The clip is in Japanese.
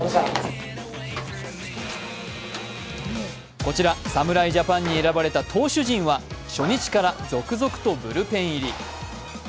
こちら侍ジャパンに選ばれた投手陣は初日から続々とブルペン入り。